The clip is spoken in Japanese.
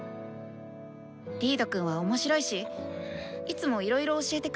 リードくんは面白いしいつもいろいろ教えてくれるし。